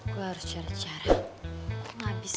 gue harus cari cari kok gak bisa diem di tempat ini